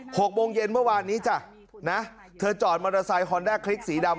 หกโมงเย็นเมื่อวานนี้จ้ะนะเธอจอดมอเตอร์ไซค์ฮอนด้าคลิกสีดำ